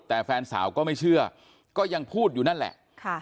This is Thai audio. แต่แฟนสาวก็ไม่เชื่อก็ยังพูดอยู่นั่นแหละ